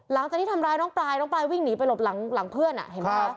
หลังจากที่ทำร้ายน้องปลายน้องปลายวิ่งหนีไปหลบหลังเพื่อนเห็นไหมคะ